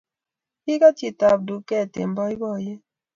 Kigaat chitab duget eng boiboiyet